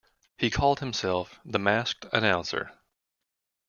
He called himself "The Masked Announcer".